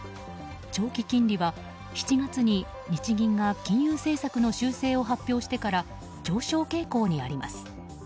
長期金利は７月に日銀が金融政策の修正を発表してから上昇傾向にあります。